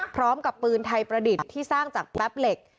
พร้อมกับปืนไทยประดิษฐ์ที่สร้างจากแป๊บเหล็ก